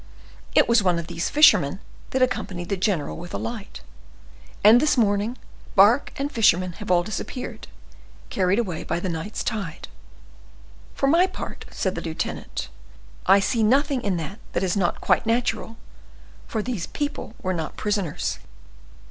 It was one of these fishermen that accompanied the general with a light. And this morning, bark and fishermen have all disappeared, carried away by the night's tide." "For my part," said the lieutenant, "I see nothing in that that is not quite natural, for these people were not prisoners."